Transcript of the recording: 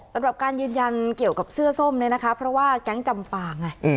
สำหรับการยืนยันเกี่ยวกับเสื้อส้มเนี่ยนะคะเพราะว่าแก๊งจำปาไง